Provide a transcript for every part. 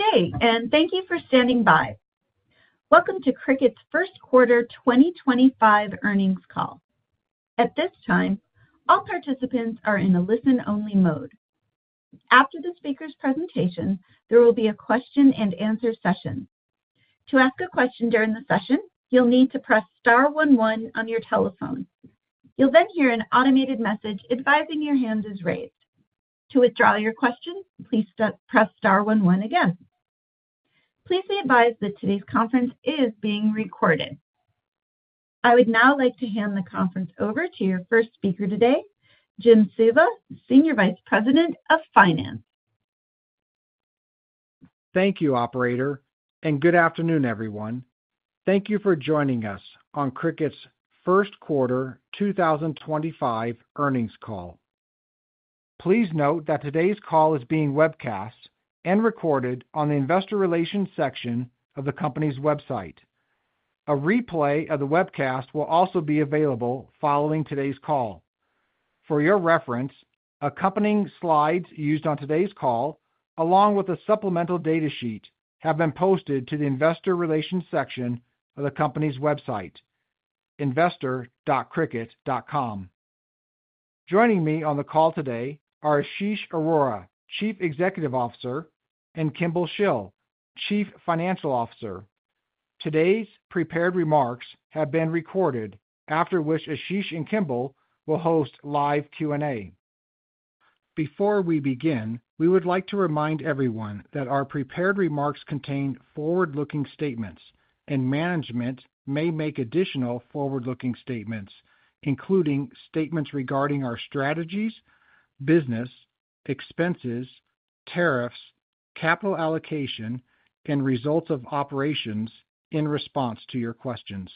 Good day, and thank you for standing by. Welcome to Cricut's First Quarter 2025 Earnings Call. At this time, all participants are in a listen-only mode. After the speaker's presentation, there will be a question-and-answer session. To ask a question during the session, you'll need to press star one one on your telephone. You'll then hear an automated message advising your hand is raised. To withdraw your question, please press star one one again. Please be advised that today's conference is being recorded. I would now like to hand the conference over to your first speaker today, Jim Suva, Senior Vice President of Finance. Thank you, Operator, and good afternoon, everyone. Thank you for joining us on Cricut's First Quarter 2025 Earnings call. Please note that today's call is being webcast and recorded on the investor relations section of the company's website. A replay of the webcast will also be available following today's call. For your reference, accompanying slides used on today's call, along with a supplemental data sheet, have been posted to the investor relations section of the company's website, investor.cricut.com. Joining me on the call today are Ashish Arora, Chief Executive Officer, and Kimball Shill, Chief Financial Officer. Today's prepared remarks have been recorded, after which Ashish and Kimball will host live Q&A. Before we begin, we would like to remind everyone that our prepared remarks contain forward-looking statements, and management may make additional forward-looking statements, including statements regarding our strategies, business, expenses, tariffs, capital allocation, and results of operations in response to your questions.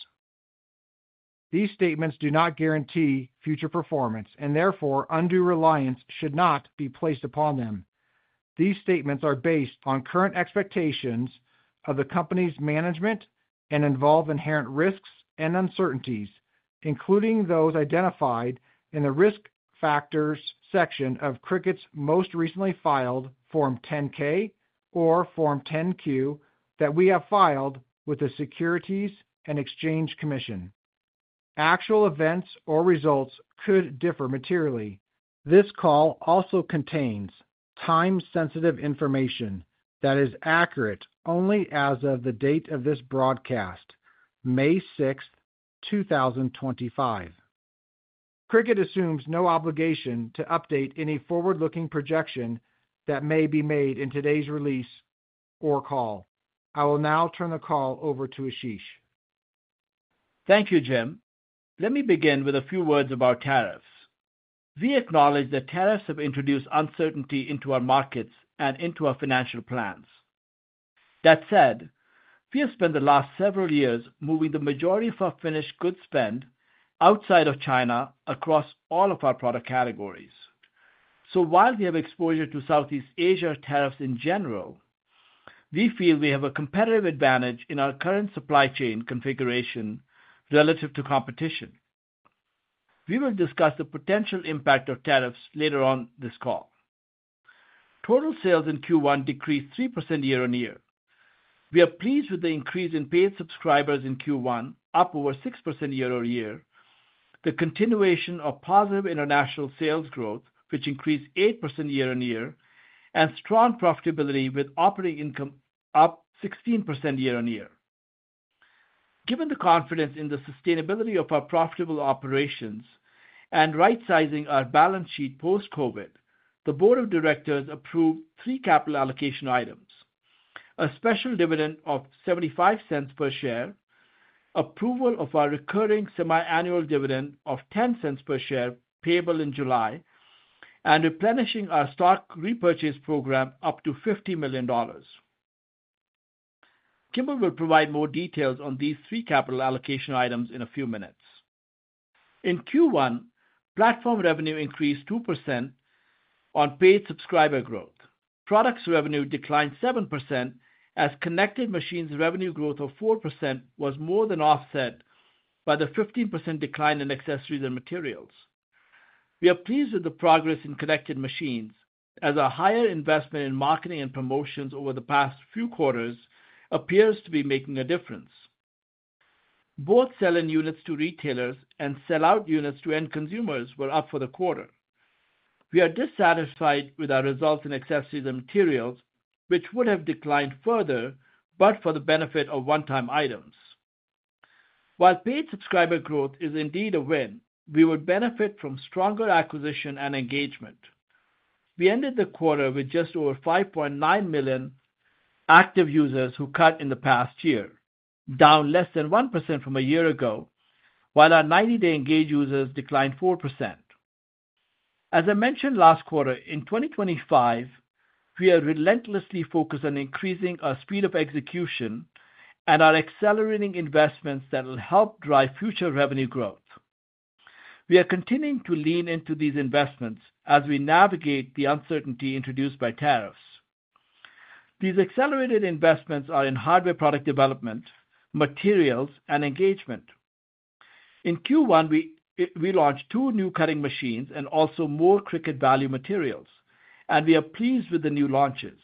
These statements do not guarantee future performance, and therefore undue reliance should not be placed upon them. These statements are based on current expectations of the company's management and involve inherent risks and uncertainties, including those identified in the risk factors section of Cricut's most recently filed Form 10-K or Form 10-Q that we have filed with the Securities and Exchange Commission. Actual events or results could differ materially. This call also contains time-sensitive information that is accurate only as of the date of this broadcast, May 6, 2025. Cricut assumes no obligation to update any forward-looking projection that may be made in today's release or call. I will now turn the call over to Ashish. Thank you, Jim. Let me begin with a few words about tariffs. We acknowledge that tariffs have introduced uncertainty into our markets and into our financial plans. That said, we have spent the last several years moving the majority of our finished goods spend outside of China across all of our product categories. While we have exposure to Southeast Asia tariffs in general, we feel we have a competitive advantage in our current supply chain configuration relative to competition. We will discuss the potential impact of tariffs later on this call. Total sales in Q1 decreased 3% year-on-year. We are pleased with the increase in Paid Subscribers in Q1, up over 6% year-on-year, the continuation of positive international sales growth, which increased 8% year-on-year, and strong profitability with operating income up 16% year-on-year. Given the confidence in the sustainability of our profitable operations and right-sizing our balance sheet post-COVID, the Board of Directors approved three capital allocation items: a special dividend of $0.75 per share, approval of our recurring semiannual dividend of $0.10 per share payable in July, and replenishing our stock repurchase program up to $50 million. Kimball will provide more details on these three capital allocation items in a few minutes. In Q1, platform revenue increased 2% on paid subscriber growth. Products revenue declined 7% as connected machines revenue growth of 4% was more than offset by the 15% decline in accessories and materials. We are pleased with the progress in connected machines as our higher investment in marketing and promotions over the past few quarters appears to be making a difference. Both selling units to retailers and sell-out units to end consumers were up for the quarter. We are dissatisfied with our results in accessories and materials, which would have declined further, but for the benefit of one-time items. While paid subscriber growth is indeed a win, we would benefit from stronger acquisition and engagement. We ended the quarter with just over 5.9 million active users who cut in the past year, down less than 1% from a year ago, while our 90-day engaged users declined 4%. As I mentioned last quarter, in 2025, we are relentlessly focused on increasing our speed of execution and are accelerating investments that will help drive future revenue growth. We are continuing to lean into these investments as we navigate the uncertainty introduced by tariffs. These accelerated investments are in hardware product development, materials, and engagement. In Q1, we launched two new cutting machines and also more Cricut Value materials, and we are pleased with the new launches.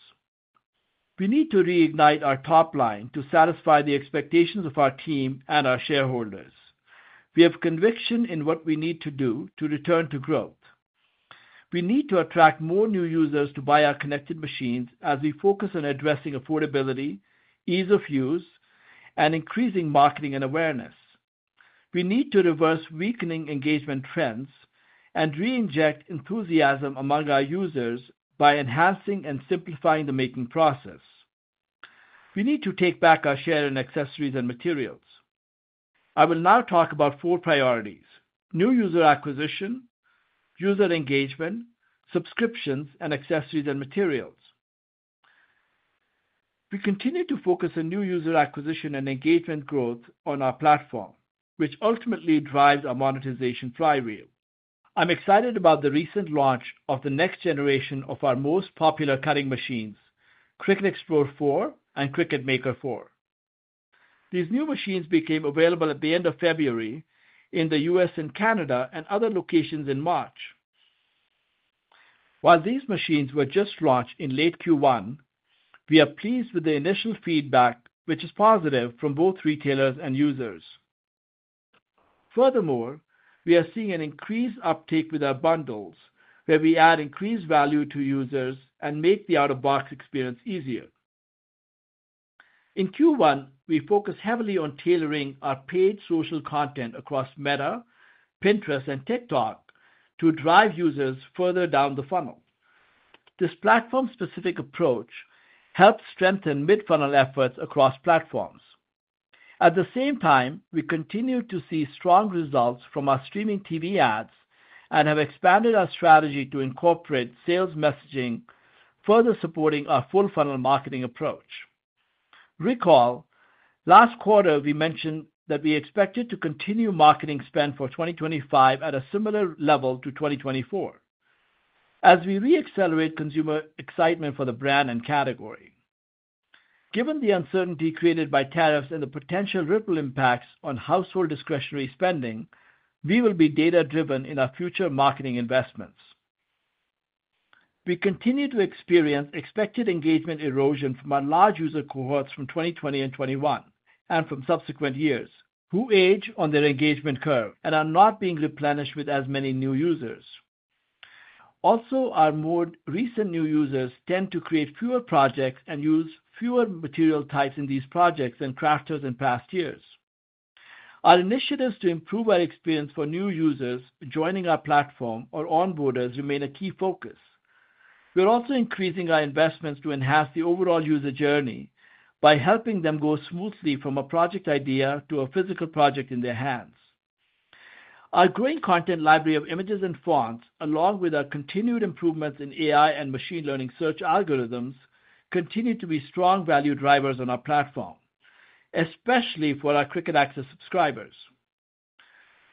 We need to reignite our top line to satisfy the expectations of our team and our shareholders. We have conviction in what we need to do to return to growth. We need to attract more new users to buy our connected machines as we focus on addressing affordability, ease of use, and increasing marketing and awareness. We need to reverse weakening engagement trends and reinject enthusiasm among our users by enhancing and simplifying the making process. We need to take back our share in accessories and materials. I will now talk about four priorities: new user acquisition, user engagement, subscriptions, and accessories and materials. We continue to focus on new user acquisition and engagement growth on our platform, which ultimately drives our monetization flywheel. I'm excited about the recent launch of the next generation of our most popular cutting machines, Cricut Explore 4 and Cricut Maker 4. These new machines became available at the end of February in the U.S. and Canada and other locations in March. While these machines were just launched in late Q1, we are pleased with the initial feedback, which is positive from both retailers and users. Furthermore, we are seeing an increased uptake with our bundles, where we add increased value to users and make the out-of-box experience easier. In Q1, we focused heavily on tailoring our paid social content across Meta, Pinterest, and TikTok to drive users further down the funnel. This platform-specific approach helped strengthen mid-funnel efforts across platforms. At the same time, we continue to see strong results from our streaming TV ads and have expanded our strategy to incorporate sales messaging, further supporting our full-funnel marketing approach. Recall, last quarter, we mentioned that we expected to continue marketing spend for 2025 at a similar level to 2024, as we re-accelerate consumer excitement for the brand and category. Given the uncertainty created by tariffs and the potential ripple impacts on household discretionary spending, we will be data-driven in our future marketing investments. We continue to experience expected engagement erosion from our large user cohorts from 2020 and 2021 and from subsequent years, who age on their engagement curve and are not being replenished with as many new users. Also, our more recent new users tend to create fewer projects and use fewer material types in these projects than crafters in past years. Our initiatives to improve our experience for new users joining our platform or onboarders remain a key focus. We are also increasing our investments to enhance the overall user journey by helping them go smoothly from a project idea to a physical project in their hands. Our growing content library of images and fonts, along with our continued improvements in AI and machine learning search algorithms, continue to be strong value drivers on our platform, especially for our Cricut Access subscribers.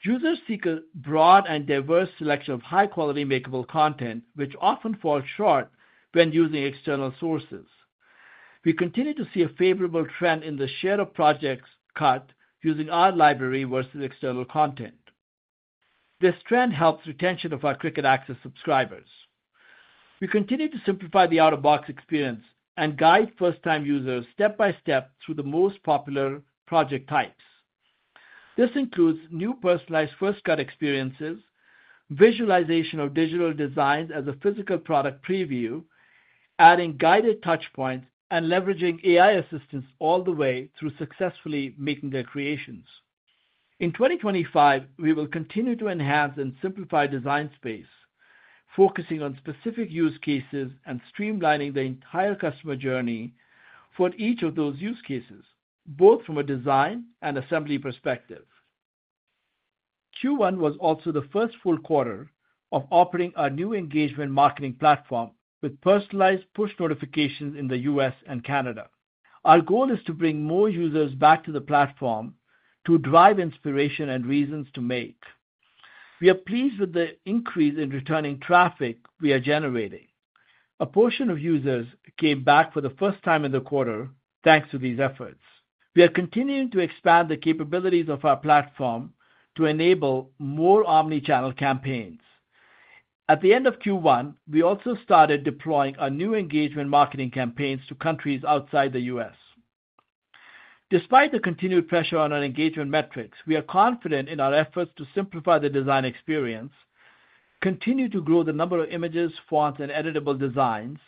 Users seek a broad and diverse selection of high-quality makeable content, which often falls short when using external sources. We continue to see a favorable trend in the share of projects cut using our library versus external content. This trend helps retention of our Cricut Access subscribers. We continue to simplify the out-of-box experience and guide first-time users step by step through the most popular project types. This includes new personalized first-cut experiences, visualization of digital designs as a physical product preview, adding guided touch points, and leveraging AI assistance all the way through successfully making their creations. In 2025, we will continue to enhance and simplify Design Space, focusing on specific use cases and streamlining the entire customer journey for each of those use cases, both from a design and assembly perspective. Q1 was also the first full quarter of offering our new engagement marketing platform with personalized push notifications in the U.S. and Canada. Our goal is to bring more users back to the platform to drive inspiration and reasons to make. We are pleased with the increase in returning traffic we are generating. A portion of users came back for the first time in the quarter thanks to these efforts. We are continuing to expand the capabilities of our platform to enable more omnichannel campaigns. At the end of Q1, we also started deploying our new engagement marketing campaigns to countries outside the U.S. Despite the continued pressure on our engagement metrics, we are confident in our efforts to simplify the design experience, continue to grow the number of images, fonts, and editable designs,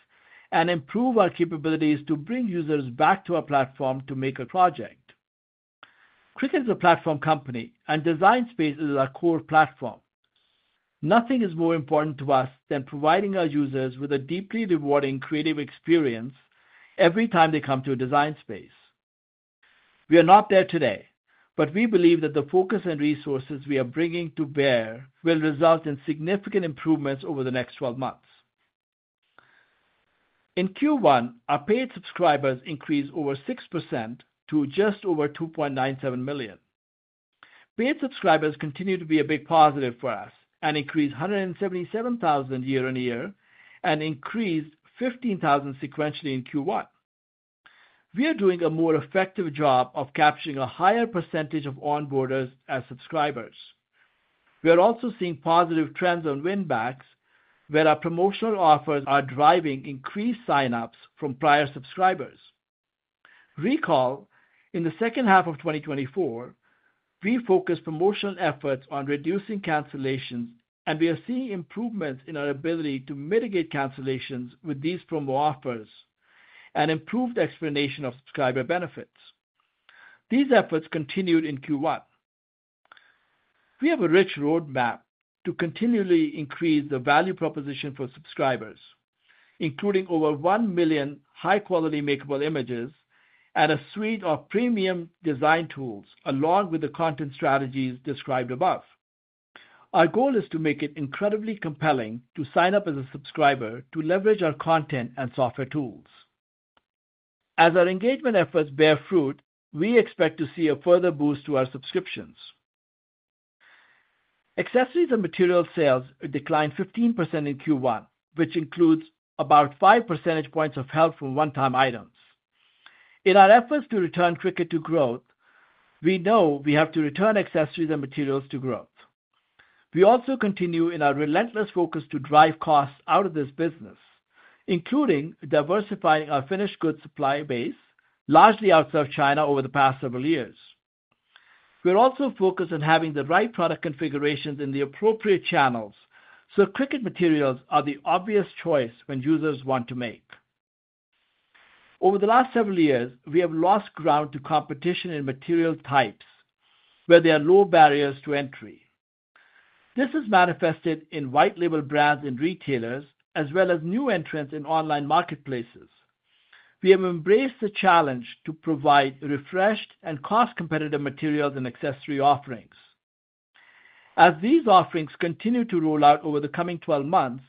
and improve our capabilities to bring users back to our platform to make a project. Cricut is a platform company, and Design Space is our core platform. Nothing is more important to us than providing our users with a deeply rewarding creative experience every time they come to Design Space. We are not there today, but we believe that the focus and resources we are bringing to bear will result in significant improvements over the next 12 months. In Q1, our Paid Subscribers increased over 6% to just over 2.97 million. Paid Subscribers continue to be a big positive for us and increased 177,000 year-on-year and increased 15,000 sequentially in Q1. We are doing a more effective job of capturing a higher percentage of onboarders as subscribers. We are also seeing positive trends on win-backs, where our promotional offers are driving increased sign-ups from prior subscribers. Recall, in the second half of 2024, we focused promotional efforts on reducing cancellations, and we are seeing improvements in our ability to mitigate cancellations with these promo offers and improved explanation of subscriber benefits. These efforts continued in Q1. We have a rich roadmap to continually increase the value proposition for subscribers, including over 1 million high-quality makeable images and a suite of premium design tools along with the content strategies described above. Our goal is to make it incredibly compelling to sign up as a subscriber to leverage our content and software tools. As our engagement efforts bear fruit, we expect to see a further boost to our subscriptions. Accessories and material sales declined 15% in Q1, which includes about 5 percentage points of help from one-time items. In our efforts to return Cricut to growth, we know we have to return accessories and materials to growth. We also continue in our relentless focus to drive costs out of this business, including diversifying our finished goods supply base, largely outside of China over the past several years. We are also focused on having the right product configurations in the appropriate channels, so Cricut materials are the obvious choice when users want to make. Over the last several years, we have lost ground to competition in material types, where there are low barriers to entry. This is manifested in white-label brands and retailers, as well as new entrants in online marketplaces. We have embraced the challenge to provide refreshed and cost-competitive materials and accessory offerings. As these offerings continue to roll out over the coming 12 months,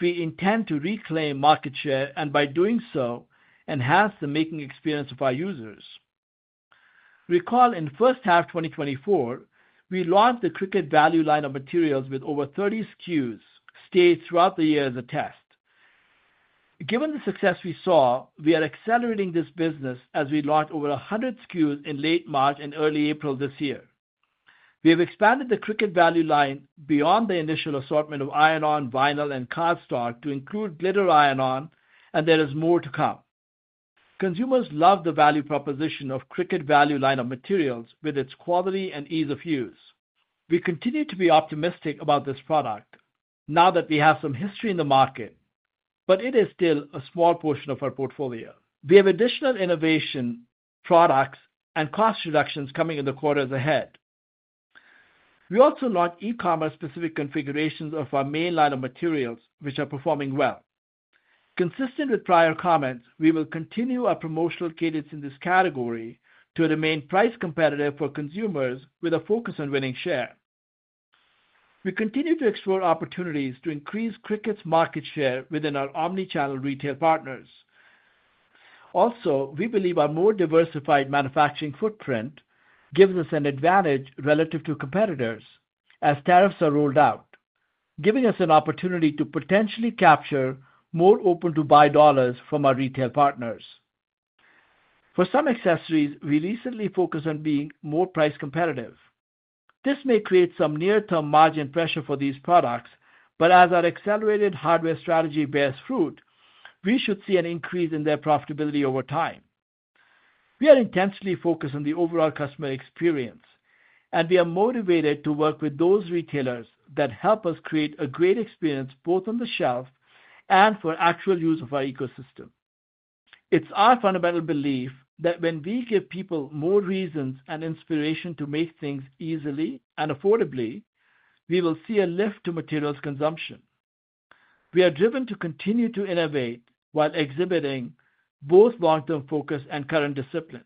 we intend to reclaim market share and, by doing so, enhance the making experience of our users. Recall, in the first half of 2024, we launched the Cricut Value line of materials with over 30 SKUs, staged throughout the year as a test. Given the success we saw, we are accelerating this business as we launched over 100 SKUs in late March and early April this year. We have expanded the Cricut Value line beyond the initial assortment of iron-on, vinyl, and cardstock to include glitter iron-on, and there is more to come. Consumers love the value proposition of Cricut Value line of materials with its quality and ease of use. We continue to be optimistic about this product now that we have some history in the market, but it is still a small portion of our portfolio. We have additional innovation products and cost reductions coming in the quarters ahead. We also launched e-commerce-specific configurations of our main line of materials, which are performing well. Consistent with prior comments, we will continue our promotional cadence in this category to remain price-competitive for consumers with a focus on winning share. We continue to explore opportunities to increase Cricut's market share within our omnichannel retail partners. Also, we believe our more diversified manufacturing footprint gives us an advantage relative to competitors as tariffs are rolled out, giving us an opportunity to potentially capture more open-to-buy dollars from our retail partners. For some accessories, we recently focused on being more price-competitive. This may create some near-term margin pressure for these products, but as our accelerated hardware strategy bears fruit, we should see an increase in their profitability over time. We are intensely focused on the overall customer experience, and we are motivated to work with those retailers that help us create a great experience both on the shelf and for actual use of our ecosystem. It is our fundamental belief that when we give people more reasons and inspiration to make things easily and affordably, we will see a lift to materials consumption. We are driven to continue to innovate while exhibiting both long-term focus and current discipline.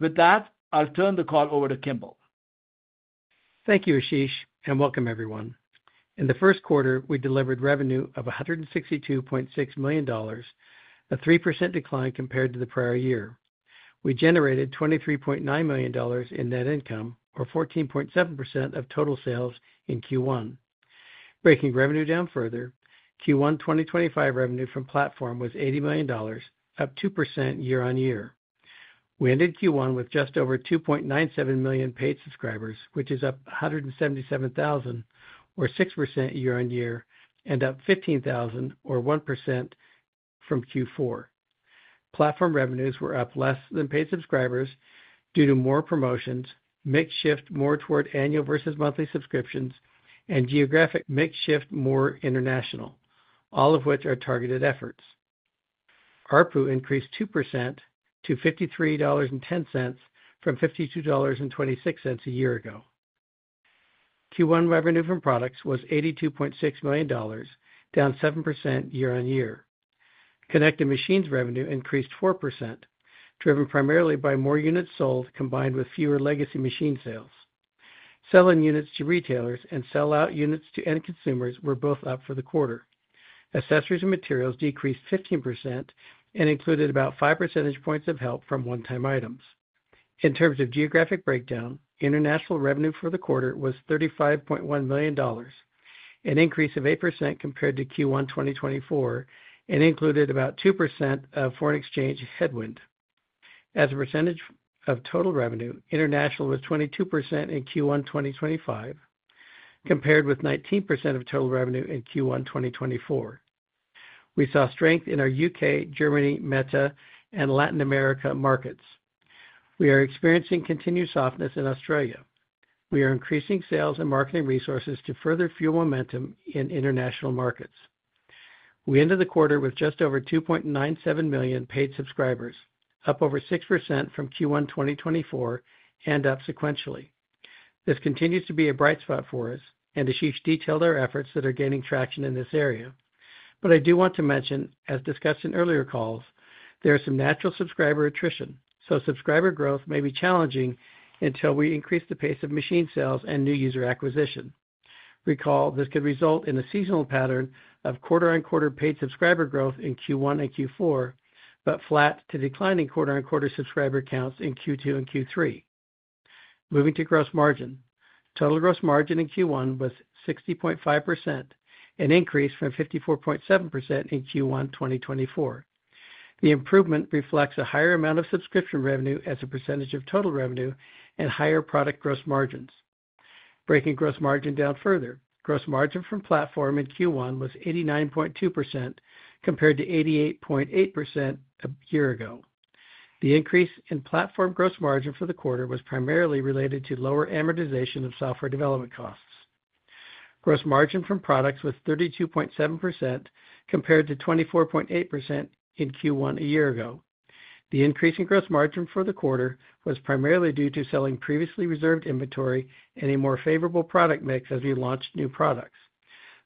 With that, I'll turn the call over to Kimball. Thank you, Ashish, and welcome, everyone. In the first quarter, we delivered revenue of $162.6 million, a 3% decline compared to the prior year. We generated $23.9 million in net income, or 14.7% of total sales in Q1. Breaking revenue down further, Q1 2025 revenue from platform was $80 million, up 2% year-on-year. We ended Q1 with just over 2.97 million Paid Subscribers, which is up 177,000, or 6% year-on-year, and up 15,000, or 1% from Q4. Platform revenues were up less than Paid Subscribers due to more promotions, mix shift more toward annual versus monthly subscriptions, and geographic mix shift more international, all of which are targeted efforts. ARPU increased 2% to $53.10 from $52.26 a year ago. Q1 revenue from products was $82.6 million, down 7% year-on-year. Connected machines revenue increased 4%, driven primarily by more units sold combined with fewer legacy machine sales. Selling units to retailers and sell-out units to end consumers were both up for the quarter. Accessories and materials decreased 15% and included about 5 percentage points of help from one-time items. In terms of geographic breakdown, international revenue for the quarter was $35.1 million, an increase of 8% compared to Q1 2024, and included about 2% of foreign exchange headwind. As a percentage of total revenue, international was 22% in Q1 2025, compared with 19% of total revenue in Q1 2024. We saw strength in our U.K., Germany, Meta, and Latin America markets. We are experiencing continued softness in Australia. We are increasing sales and marketing resources to further fuel momentum in international markets. We ended the quarter with just over 2.97 million Paid Subscribers, up over 6% from Q1 2024 and up sequentially. This continues to be a bright spot for us, and Ashish detailed our efforts that are gaining traction in this area. I do want to mention, as discussed in earlier calls, there is some natural subscriber attrition, so subscriber growth may be challenging until we increase the pace of machine sales and new user acquisition. Recall, this could result in a seasonal pattern of quarter-on-quarter paid subscriber growth in Q1 and Q4, but flat to declining quarter-on-quarter subscriber counts in Q2 and Q3. Moving to gross margin. Total gross margin in Q1 was 60.5%, an increase from 54.7% in Q1 2024. The improvement reflects a higher amount of subscription revenue as a percentage of total revenue and higher product gross margins. Breaking gross margin down further, gross margin from platform in Q1 was 89.2% compared to 88.8% a year ago. The increase in platform gross margin for the quarter was primarily related to lower amortization of software development costs. Gross margin from products was 32.7% compared to 24.8% in Q1 a year ago. The increase in gross margin for the quarter was primarily due to selling previously reserved inventory and a more favorable product mix as we launched new products.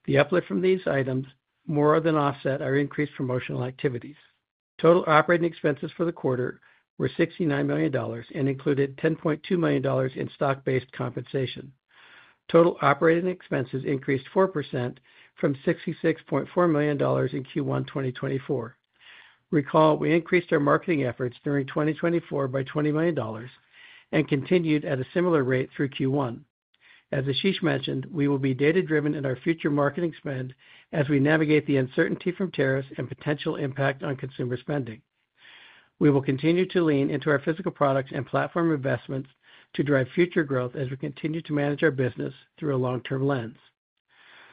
The uplift from these items more than offset our increased promotional activities. Total operating expenses for the quarter were $69 million and included $10.2 million in stock-based compensation. Total operating expenses increased 4% from $66.4 million in Q1 2024. Recall, we increased our marketing efforts during 2024 by $20 million and continued at a similar rate through Q1. As Ashish mentioned, we will be data-driven in our future marketing spend as we navigate the uncertainty from tariffs and potential impact on consumer spending. We will continue to lean into our physical products and platform investments to drive future growth as we continue to manage our business through a long-term lens.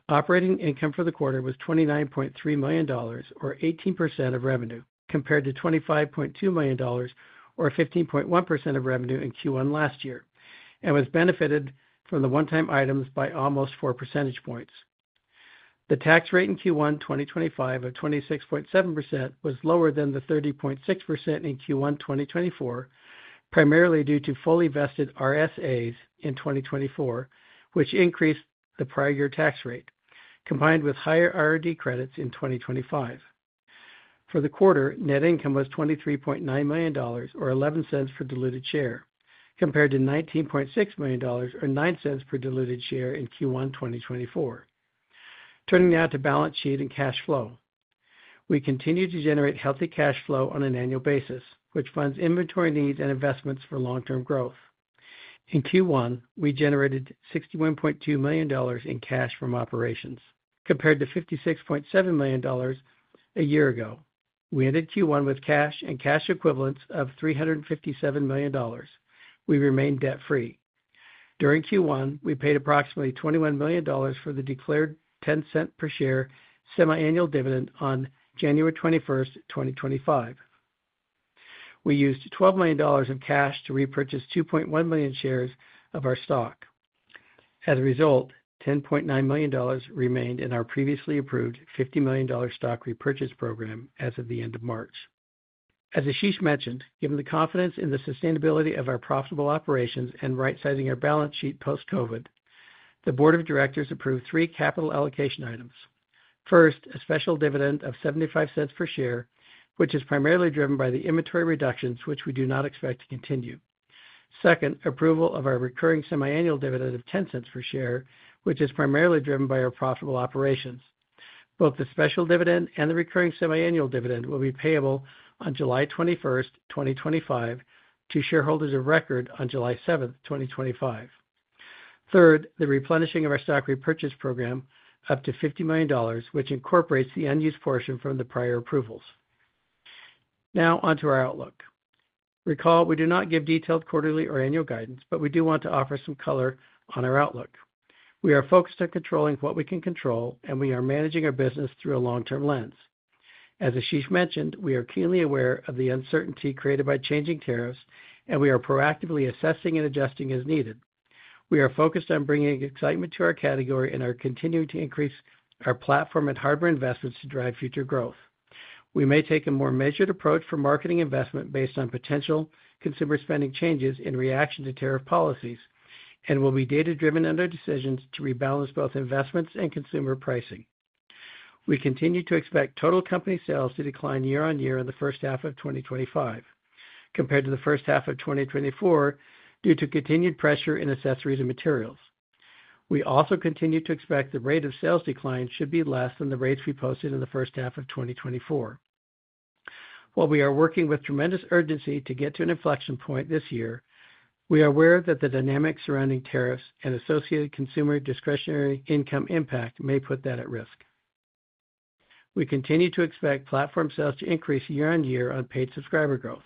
Operating income for the quarter was $29.3 million, or 18% of revenue, compared to $25.2 million, or 15.1% of revenue in Q1 last year, and was benefited from the one-time items by almost 4 percentage points. The tax rate in Q1 2025 of 26.7% was lower than the 30.6% in Q1 2024, primarily due to fully vested RSAs in 2024, which increased the prior-year tax rate, combined with higher R&D credits in 2025. For the quarter, net income was $23.9 million, or $0.11 per diluted share, compared to $19.6 million, or $0.09 per diluted share in Q1 2024. Turning now to balance sheet and cash flow. We continue to generate healthy cash flow on an annual basis, which funds inventory needs and investments for long-term growth. In Q1, we generated $61.2 million in cash from operations, compared to $56.7 million a year ago. We ended Q1 with cash and cash equivalents of $357 million. We remained debt-free. During Q1, we paid approximately $21 million for the declared $0.10 per share semi-annual dividend on January 21st, 2025. We used $12 million in cash to repurchase 2.1 million shares of our stock. As a result, $10.9 million remained in our previously approved $50 million stock repurchase program as of the end of March. As Ashish mentioned, given the confidence in the sustainability of our profitable operations and right-sizing our balance sheet post-COVID, the Board of Directors approved three capital allocation items. First, a special dividend of $0.75 per share, which is primarily driven by the inventory reductions, which we do not expect to continue. Second, approval of our recurring semi-annual dividend of $0.10 per share, which is primarily driven by our profitable operations. Both the special dividend and the recurring semi-annual dividend will be payable on July 21, 2025, to shareholders of record on July 7, 2025. Third, the replenishing of our stock repurchase program up to $50 million, which incorporates the unused portion from the prior approvals. Now onto our outlook. Recall, we do not give detailed quarterly or annual guidance, but we do want to offer some color on our outlook. We are focused on controlling what we can control, and we are managing our business through a long-term lens. As Ashish mentioned, we are keenly aware of the uncertainty created by changing tariffs, and we are proactively assessing and adjusting as needed. We are focused on bringing excitement to our category and are continuing to increase our platform and hardware investments to drive future growth. We may take a more measured approach for marketing investment based on potential consumer spending changes in reaction to tariff policies and will be data-driven in our decisions to rebalance both investments and consumer pricing. We continue to expect total company sales to decline year-on-year in the first half of 2025, compared to the first half of 2024 due to continued pressure in accessories and materials. We also continue to expect the rate of sales decline should be less than the rates we posted in the first half of 2024. While we are working with tremendous urgency to get to an inflection point this year, we are aware that the dynamics surrounding tariffs and associated consumer discretionary income impact may put that at risk. We continue to expect platform sales to increase year-on-year on Paid Subscriber growth.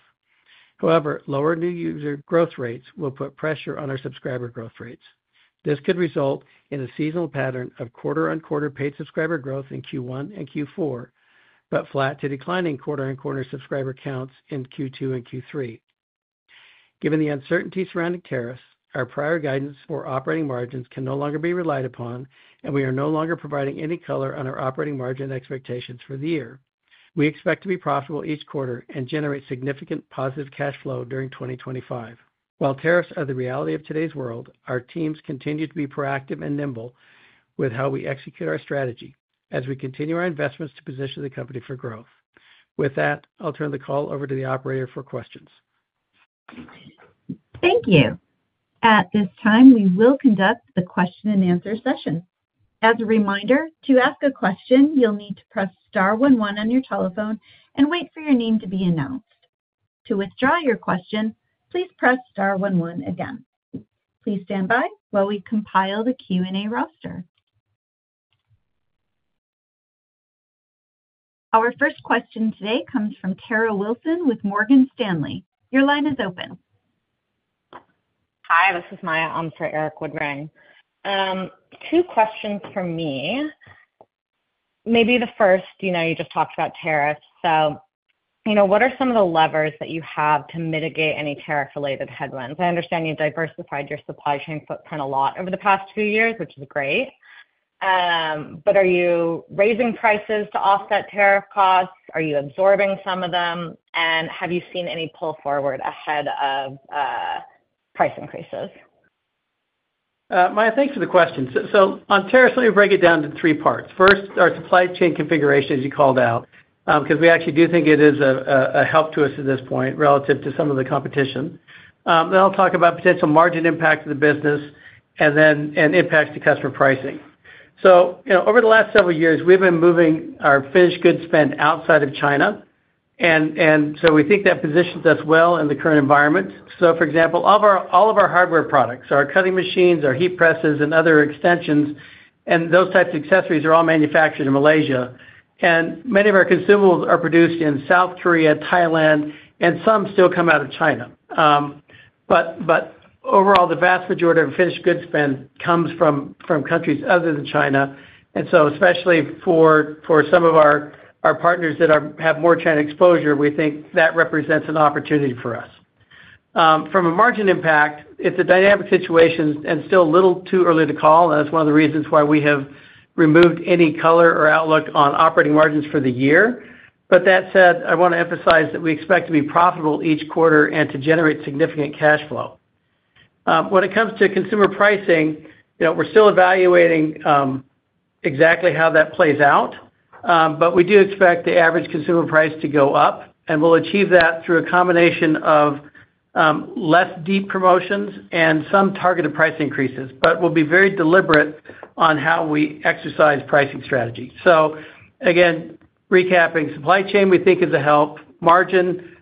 However, lower new user growth rates will put pressure on our subscriber growth rates. This could result in a seasonal pattern of quarter-on-quarter paid subscriber growth in Q1 and Q4, but flat to declining quarter-on-quarter subscriber counts in Q2 and Q3. Given the uncertainty surrounding tariffs, our prior guidance for operating margins can no longer be relied upon, and we are no longer providing any color on our operating margin expectations for the year. We expect to be profitable each quarter and generate significant positive cash flow during 2025. While tariffs are the reality of today's world, our teams continue to be proactive and nimble with how we execute our strategy as we continue our investments to position the company for growth. With that, I'll turn the call over to the operator for questions. Thank you. At this time, we will conduct the question-and-answer session. As a reminder, to ask a question, you'll need to press star one one on your telephone and wait for your name to be announced. To withdraw your question, please press star one one again. Please stand by while we compile the Q&A roster. Our first question today comes from Tarra Wilson with Morgan Stanley. Your line is open. Hi, this is Maya. I'm for Tarra wilson. Two questions for me. Maybe the first, you just talked about tariffs. So what are some of the levers that you have to mitigate any tariff-related headwinds? I understand you diversified your supply chain footprint a lot over the past few years, which is great. Are you raising prices to offset tariff costs? Are you absorbing some of them? Have you seen any pull forward ahead of price increases? Maya, thanks for the question. On tariffs, let me break it down into three parts. First, our supply chain configuration, as you called out, because we actually do think it is a help to us at this point relative to some of the competition. I will talk about potential margin impact to the business and impacts to customer pricing. Over the last several years, we've been moving our finished goods spend outside of China. We think that positions us well in the current environment. For example, all of our hardware products, our cutting machines, our heat presses, and other extensions, and those types of accessories are all manufactured in Malaysia. Many of our consumables are produced in South Korea, Thailand, and some still come out of China. Overall, the vast majority of our finished goods spend comes from countries other than China. Especially for some of our partners that have more China exposure, we think that represents an opportunity for us. From a margin impact, it's a dynamic situation and still a little too early to call. That's one of the reasons why we have removed any color or outlook on operating margins for the year. That said, I want to emphasize that we expect to be profitable each quarter and to generate significant cash flow. When it comes to consumer pricing, we're still evaluating exactly how that plays out, but we do expect the average consumer price to go up. We'll achieve that through a combination of less deep promotions and some targeted price increases, but we'll be very deliberate on how we exercise pricing strategy. Again, recapping, supply chain we think is a help. Margin,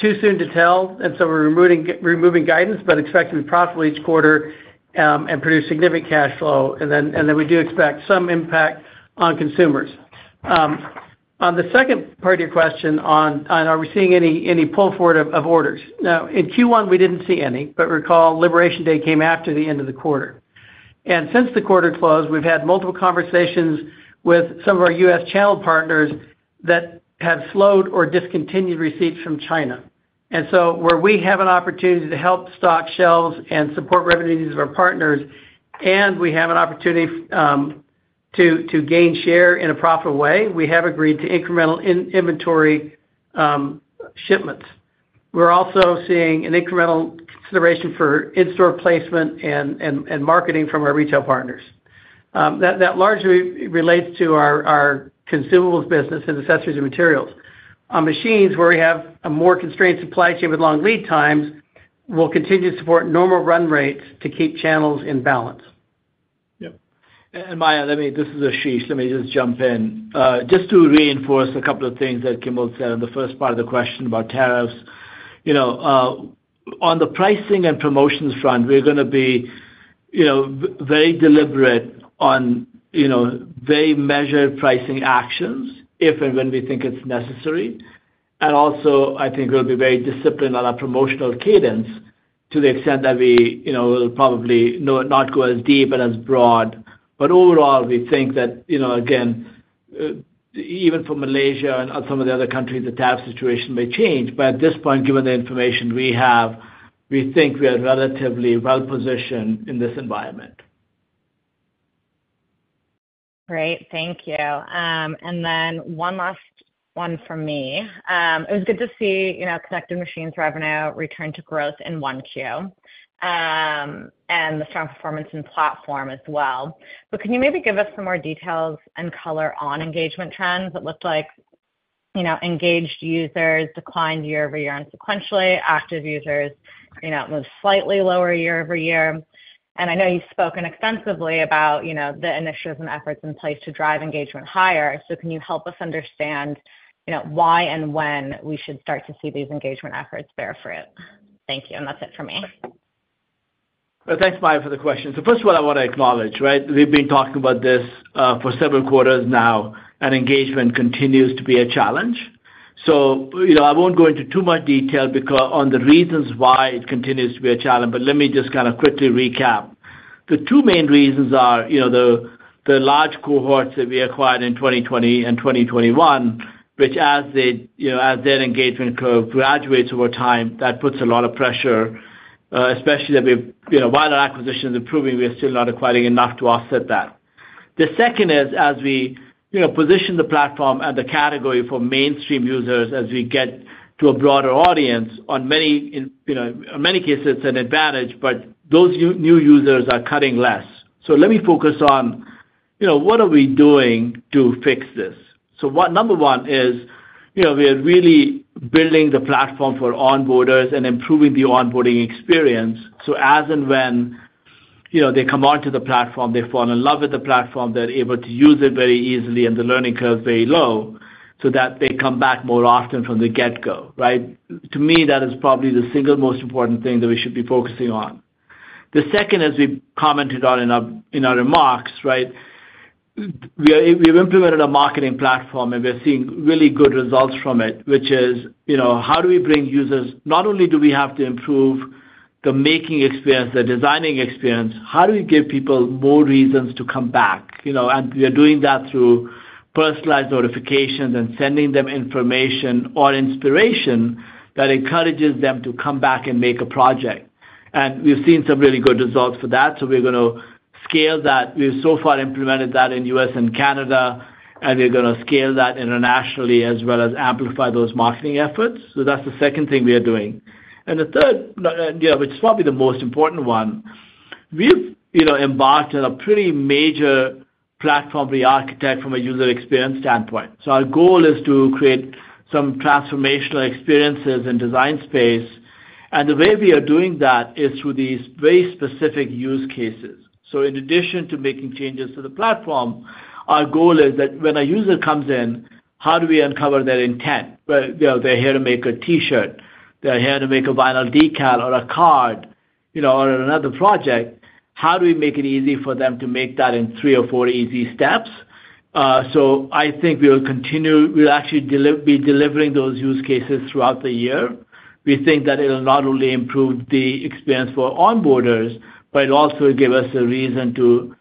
too soon to tell. We're removing guidance, but expect to be profitable each quarter and produce significant cash flow. We do expect some impact on consumers. On the second part of your question on are we seeing any pull forward of orders. In Q1, we didn't see any, but recall, Liberation Day came after the end of the quarter. Since the quarter closed, we've had multiple conversations with some of our U.S. channel partners that have slowed or discontinued receipts from China. Where we have an opportunity to help stock shelves and support revenues of our partners, and we have an opportunity to gain share in a profitable way, we have agreed to incremental inventory shipments. We're also seeing an incremental consideration for in-store placement and marketing from our retail partners. That largely relates to our consumables business and accessories and materials. On machines, where we have a more constrained supply chain with long lead times, we'll continue to support normal run rates to keep channels in balance. Yep. Maya, this is Ashish. Let me just jump in. Just to reinforce a couple of things that Kimball said in the first part of the question about tariffs. On the pricing and promotions front, we're going to be very deliberate on very measured pricing actions if and when we think it's necessary. Also, I think we'll be very disciplined on our promotional cadence to the extent that we will probably not go as deep and as broad. Overall, we think that, again, even for Malaysia and some of the other countries, the tariff situation may change. At this point, given the information we have, we think we are relatively well-positioned in this environment. Great. Thank you. One last one from me. It was good to see connected machines revenue return to growth in Q1 and the strong performance in platform as well. Can you maybe give us some more details and color on engagement trends? It looked like engaged users declined year-over-year and sequentially. Active users moved slightly lower year-over-year. I know you've spoken extensively about the initiatives and efforts in place to drive engagement higher. Can you help us understand why and when we should start to see these engagement efforts bear fruit? Thank you. That's it for me. Thanks, Maya, for the question. First of all, I want to acknowledge, right? We've been talking about this for several quarters now, and engagement continues to be a challenge. I won't go into too much detail on the reasons why it continues to be a challenge, but let me just kind of quickly recap. The two main reasons are the large cohorts that we acquired in 2020 and 2021, which, as their engagement curve graduates over time, that puts a lot of pressure, especially while our acquisition is improving, we are still not acquiring enough to offset that. The second is, as we position the platform and the category for mainstream users as we get to a broader audience, in many cases, it's an advantage, but those new users are cutting less. Let me focus on what are we doing to fix this. Number one is we are really building the platform for onboarders and improving the onboarding experience. As and when they come onto the platform, they fall in love with the platform, they're able to use it very easily, and the learning curve is very low so that they come back more often from the get-go, right? To me, that is probably the single most important thing that we should be focusing on. The second, as we commented on in our remarks, right? We have implemented a marketing platform, and we're seeing really good results from it, which is how do we bring users? Not only do we have to improve the making experience, the designing experience, how do we give people more reasons to come back? We are doing that through personalized notifications and sending them information or inspiration that encourages them to come back and make a project. We've seen some really good results for that, so we're going to scale that. We've so far implemented that in the U.S. and Canada, and we're going to scale that internationally as well as amplify those marketing efforts. That is the second thing we are doing. The third, which is probably the most important one, we've embarked on a pretty major platform re-architect from a user experience standpoint. Our goal is to create some transformational experiences in the design space. The way we are doing that is through these very specific use cases. In addition to making changes to the platform, our goal is that when a user comes in, how do we uncover their intent? They're here to make a T-shirt. They're here to make a vinyl decal or a card or another project. How do we make it easy for them to make that in three or four easy steps? I think we will continue, we'll actually be delivering those use cases throughout the year. We think that it'll not only improve the experience for onboarders, but it'll also give us a reason to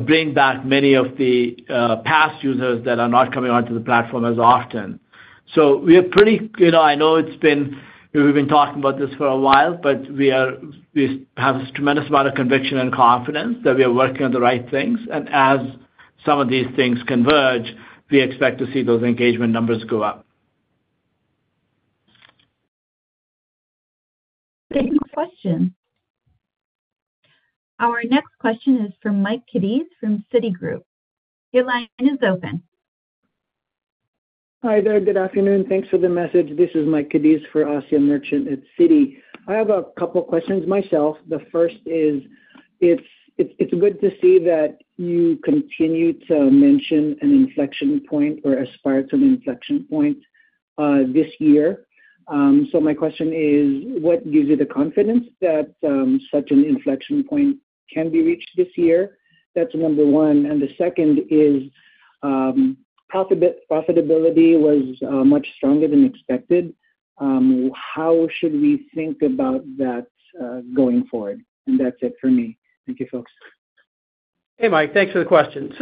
bring back many of the past users that are not coming onto the platform as often. We are pretty—I know it's been—we've been talking about this for a while, but we have a tremendous amount of conviction and confidence that we are working on the right things. As some of these things converge, we expect to see those engagement numbers go up. Thank you for the question. Our next question is from Mike Cadiz from Citigroup. Your line is open. Hi there. Good afternoon. Thanks for the message. This is Mike Cadiz for Asya Merchant at Citi. I have a couple of questions myself. The first is, it's good to see that you continue to mention an inflection point or aspire to an inflection point this year. My question is, what gives you the confidence that such an inflection point can be reached this year? That's number one. The second is profitability was much stronger than expected. How should we think about that going forward? That's it for me. Thank you, folks. Hey, Mike. Thanks for the question.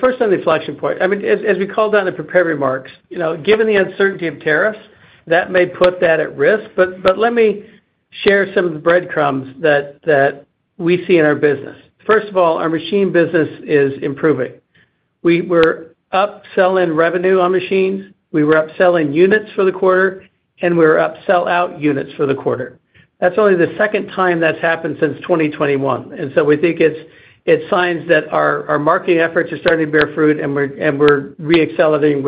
First, on the inflection point, as we called on the prepared remarks, given the uncertainty of tariffs, that may put that at risk. Let me share some of the breadcrumbs that we see in our business. First of all, our machine business is improving. We were up selling revenue on machines. We were up selling units for the quarter, and we were up sell-out units for the quarter. That's only the second time that's happened since 2021. We think it's signs that our marketing efforts are starting to bear fruit, and we're reaccelerating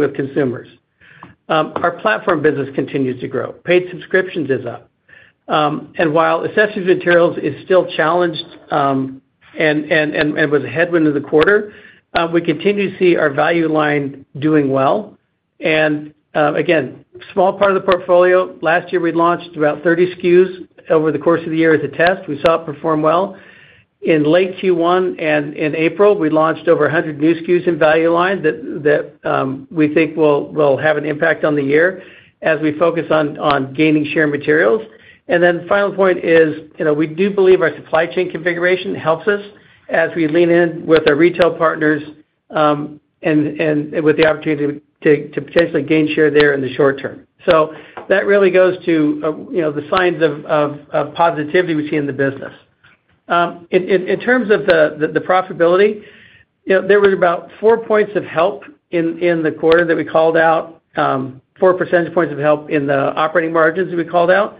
with consumers. Our platform business continues to grow. Paid subscriptions is up. While accessories and materials is still challenged and was a headwind of the quarter, we continue to see our value line doing well. Again, small part of the portfolio. Last year, we launched about 30 SKUs over the course of the year as a test. We saw it perform well. In late Q1 and in April, we launched over 100 new SKUs in value line that we think will have an impact on the year as we focus on gaining share materials. The final point is we do believe our supply chain configuration helps us as we lean in with our retail partners and with the opportunity to potentially gain share there in the short term. That really goes to the signs of positivity we see in the business. In terms of the profitability, there were about four percentage points of help in the quarter that we called out, four percentage points of help in the operating margins that we called out.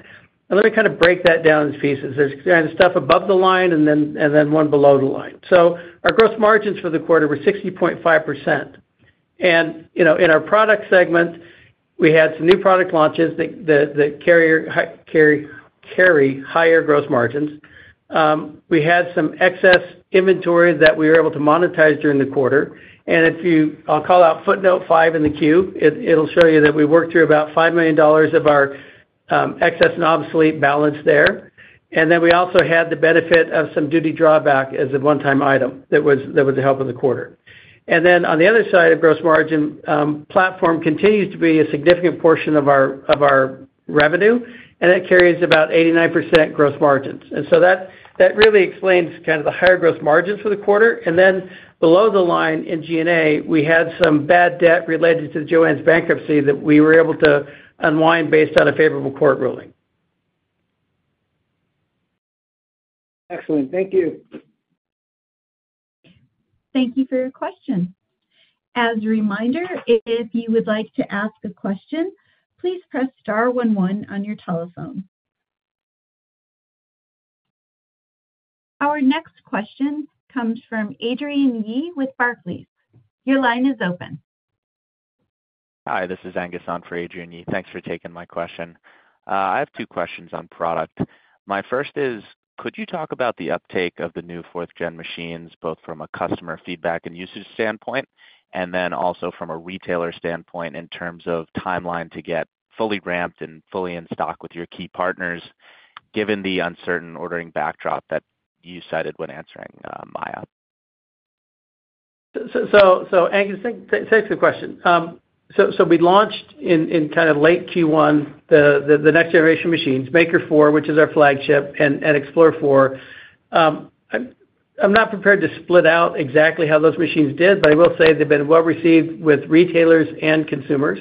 Let me kind of break that down into pieces. There is kind of stuff above the line and then one below the line. Our gross margins for the quarter were 60.5%. In our product segment, we had some new product launches that carry higher gross margins. We had some excess inventory that we were able to monetize during the quarter. If you—I will call out footnote five in the Q. It will show you that we worked through about $5 million of our excess and obsolete balance there. We also had the benefit of some duty drawback as a one-time item that was the help of the quarter. On the other side, our gross margin platform continues to be a significant portion of our revenue, and it carries about 89% gross margins. That really explains kind of the higher gross margins for the quarter. Below the line in G&A, we had some bad debt related to Joann's bankruptcy that we were able to unwind based on a favorable court ruling. Excellent. Thank you. Thank you for your question. As a reminder, if you would like to ask a question, please press star one one on your telephone. Our next question comes from Adrian Yee with Barclays. Your line is open. Hi, this is Angus on for Adrian Yee. Thanks for taking my question. I have two questions on product. My first is, could you talk about the uptake of the new fourth-gen machines, both from a customer feedback and usage standpoint and then also from a retailer standpoint in terms of timeline to get fully ramped and fully in stock with your key partners, given the uncertain ordering backdrop that you cited when answering, Maya? Angus, thanks for the question. We launched in kind of late Q1 the next generation machines, Maker 4, which is our flagship, and Explore 4. I'm not prepared to split out exactly how those machines did, but I will say they've been well-received with retailers and consumers.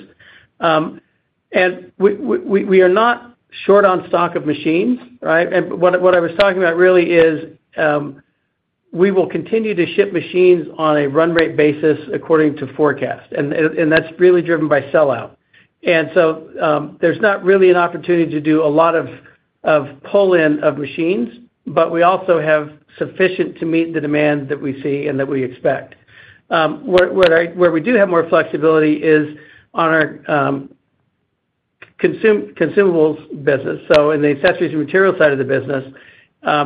We are not short on stock of machines, right? What I was talking about really is we will continue to ship machines on a run rate basis according to forecast. That is really driven by sell-out. There is not really an opportunity to do a lot of pull-in of machines, but we also have sufficient to meet the demand that we see and that we expect. Where we do have more flexibility is on our consumables business. In the accessories and materials side of the business,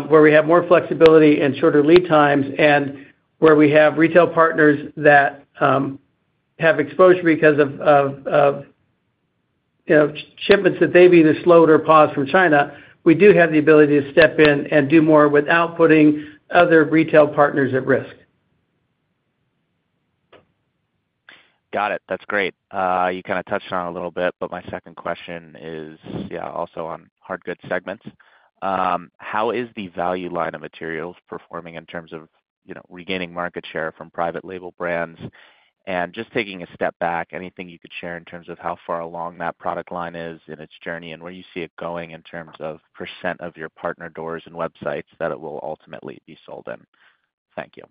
where we have more flexibility and shorter lead times and where we have retail partners that have exposure because of shipments that they have either slowed or paused from China, we do have the ability to step in and do more without putting other retail partners at risk. Got it. That is great. You kind of touched on it a little bit, but my second question is, yeah, also on hard goods segments. How is the value line of materials performing in terms of regaining market share from private label brands? Just taking a step back, anything you could share in terms of how far along that product line is in its journey and where you see it going in terms of % of your partner doors and websites that it will ultimately be sold in? Thank you.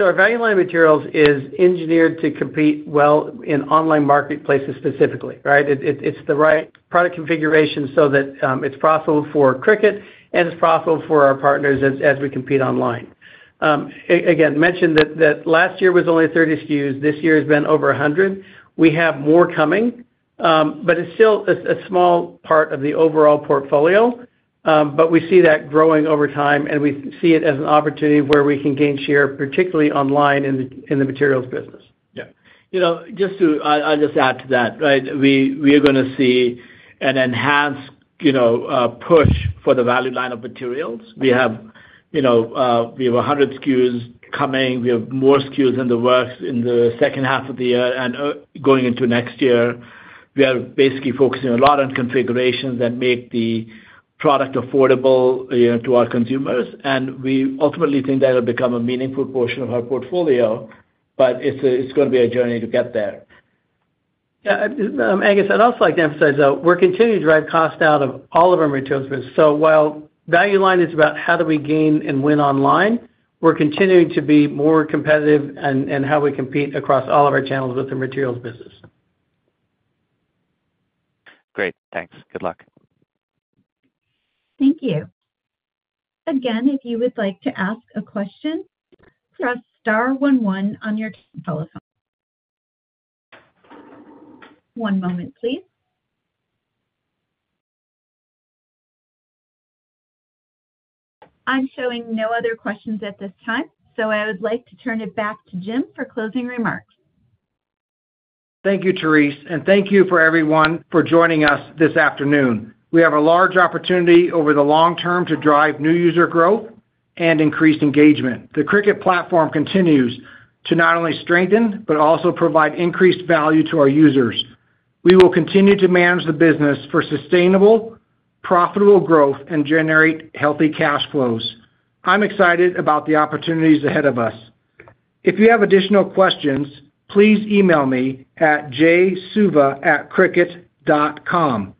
Our value line of materials is engineered to compete well in online marketplaces specifically, right? It is the right product configuration so that it is profitable for Cricut and it is profitable for our partners as we compete online. Again, mentioned that last year was only 30 SKUs. This year has been over 100. We have more coming, but it is still a small part of the overall portfolio. We see that growing over time, and we see it as an opportunity where we can gain share, particularly online in the materials business. Yeah. Just to add to that, right? We are going to see an enhanced push for the value line of materials. We have 100 SKUs coming. We have more SKUs in the works in the second half of the year and going into next year. We are basically focusing a lot on configurations that make the product affordable to our consumers. We ultimately think that it'll become a meaningful portion of our portfolio, but it's going to be a journey to get there. Yeah. Angus, I'd also like to emphasize that we're continuing to drive cost out of all of our materials business. While value line is about how do we gain and win online, we're continuing to be more competitive in how we compete across all of our channels with the materials business. Great. Thanks. Good luck. Thank you. Again, if you would like to ask a question, press star one one on your telephone. One moment, please. I'm showing no other questions at this time, so I would like to turn it back to Jim for closing remarks. Thank you, Terese. And thank you for everyone for joining us this afternoon. We have a large opportunity over the long term to drive new user growth and increase engagement. The Cricut platform continues to not only strengthen but also provide increased value to our users. We will continue to manage the business for sustainable, profitable growth and generate healthy cash flows. I'm excited about the opportunities ahead of us. If you have additional questions, please email me at jsuva@cricut.com.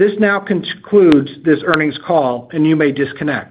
This now concludes this earnings call, and you may disconnect.